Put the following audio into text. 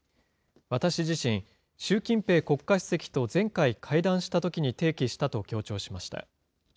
私自身、習近平国家主席と前回会談したときに提起したと強調しました。